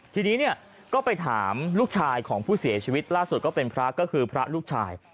ทีนี้เนี่ยก็ไปถามลูกชายของผู้เสียชีวิตล่าสุดก็เป็นพระก็คือพระลูกชาย